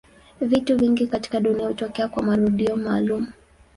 Vitu vingi katika dunia hutokea kwa marudio maalumu.